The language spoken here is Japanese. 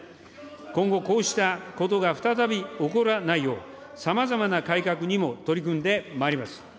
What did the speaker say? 今後、こうしたことが再び起こらないよう、さまざまな改革にも取り組んでまいります。